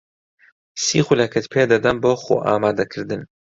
سی خولەکت پێ دەدەم بۆ خۆئامادەکردن.